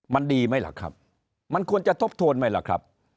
มันดีไหมล่ะครับมันควรจะทบทวนไหมล่ะครับ